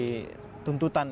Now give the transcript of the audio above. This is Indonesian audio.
kita harus mencari kepentingan